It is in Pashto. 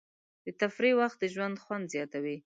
د تفریح وخت د ژوند خوند زیاتوي.